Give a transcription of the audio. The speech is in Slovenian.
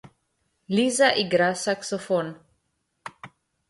Liza igra saksofon.